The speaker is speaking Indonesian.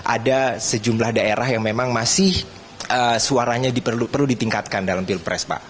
ada sejumlah daerah yang memang masih suaranya perlu ditingkatkan dalam pilpres pak